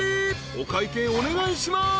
［お会計お願いします］